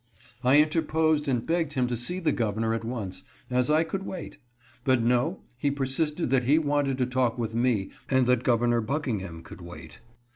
I interposed, and begged him to see the Governor at once, as I could wait ; but no, he persisted that he wanted to talk with me and that Governor Buckingham could wait.